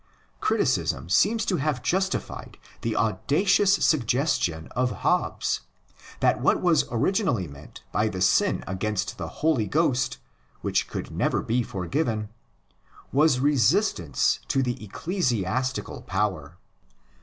Criticism seems to have justified the audacious suggestion of Hobbes, that what was originally meant by the sin against the Holy Ghost, which could never be forgiven, was resistance to the ecclesiastical power.